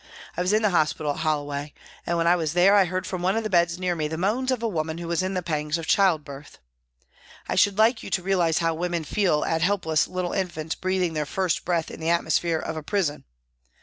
... I was in the hospital at Holloway, and when I Avas there I heard from one of the beds near me the moans of a woman who was in the pangs of childbirth. I should like you to realise how women feel at helpless little infants breathing their first breath in the atmosphere of a prison.